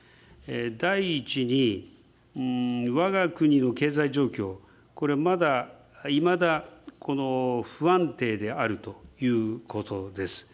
第一にわが国の経済状況、これ、まだ不安定であるということです。